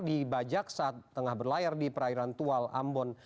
di bajak saat tengah berlayar di perairan tual ambon